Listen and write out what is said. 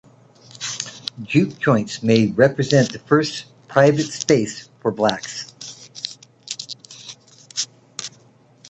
Juke joints may represent the first "private space" for blacks.